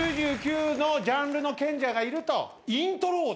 ９９のジャンルの賢者がいると。